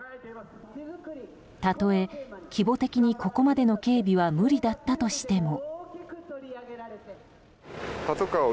たとえ規模的にここまでの警備は無理だったとしても。